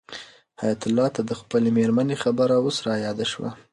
حیات الله ته د خپلې مېرمنې خبره اوس رایاده شوه.